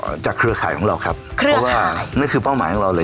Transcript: จากเครือข่ายของเราครับค่ะเพราะว่านั่นคือเป้าหมายของเราเลย